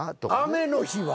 雨の日は？